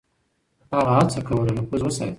هغه هڅه کوله نفوذ وساتي.